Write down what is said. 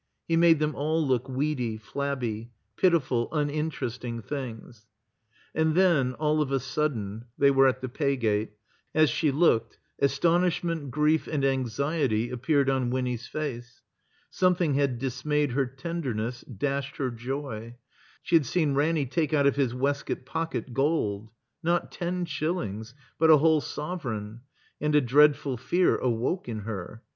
He made them all look weedy, flabby; pitiful, uninteresting things. And then, all of a sudden (they were at the pay gate), as she looked, astonishment, grief, and anxiety appeared on Winny's face. Something had dismayed her tenderness, dashed her joy. She had seen Ranny take out of his waistcoat pocket gold — not ten shillings, but a whole sovereign. And a dreadful fear awoke in her.